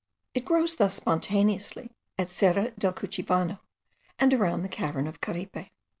It grows thus spontaneously at Cerro del Cuchivano, and around the cavern of Caripe.